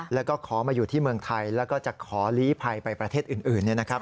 แล้วก็ขอมาอยู่ที่เมืองไทยแล้วก็จะขอลีภัยไปประเทศอื่น